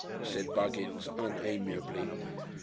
said Buggins unamiably.